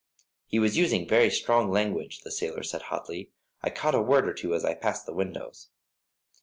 "He was using very strong language," the sailor said, hotly. "I caught a word or two as I passed the windows."